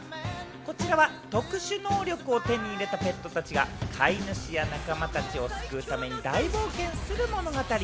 こちらは特殊能力を手に入れたペットたちが飼い主や仲間たちを救うために大冒険する物語。